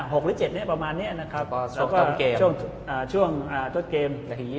๖หรือ๗นี้ประมาณนี้นะครับช่วงต้นเกม